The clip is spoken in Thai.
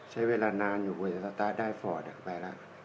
ใช้เวลานานอยู่กว่าจะสตาร์ทได้ฟอร์ดไปแล้ว